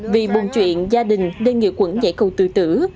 vì buồn chuyện gia đình đê nghịa quẩn nhảy cầu tự tử